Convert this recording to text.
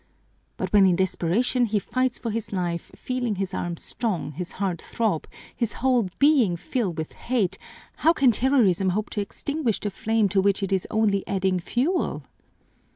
But when in desperation he fights for his life, feeling his arm strong, his heart throb, his whole being fill with hate, how can terrorism hope to extinguish the flame to which it is only adding fuel?"